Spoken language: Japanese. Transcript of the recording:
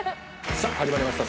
さぁ始まりました